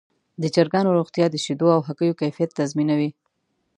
د چرګانو روغتیا د شیدو او هګیو کیفیت تضمینوي.